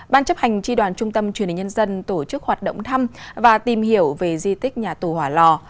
ban chấp hành tri đoàn trung tâm truyền hình nhân dân tổ chức hoạt động thăm và tìm hiểu về di tích nhà tù hỏa lò